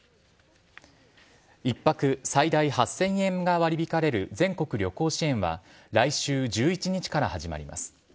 １泊最大８０００円が割り引かれる全国旅行支援は来週１１日から始まります。